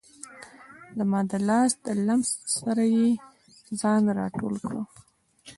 زما د لاس له لمس سره یې ځان را ټول کړ.